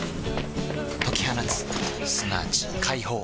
解き放つすなわち解放